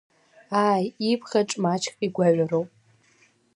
Ааи, ибӷаҿ маҷк игәаҩароуп…